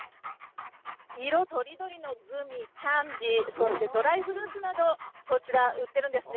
色とりどりのグミ、キャンディー、そしてドライフルーツなどこちら売ってるんですね。